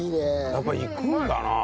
やっぱりいくんだな。